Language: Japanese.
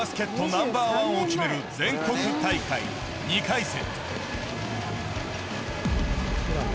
ナンバーワンを決める全国大会２回戦